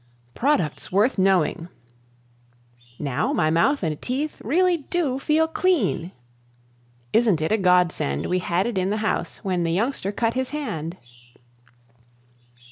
] Products Worth Knowing. "Now my mouth and teeth really DO FEEL CLEAN." "Isn't it a Godsend we had it in the house when the youngster cut his hand."